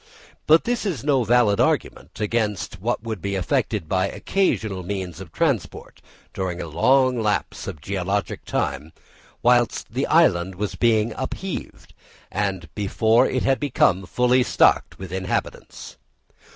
But this is no valid argument against what would be effected by occasional means of transport, during the long lapse of geological time, whilst the island was being upheaved, and before it had become fully stocked with inhabitants.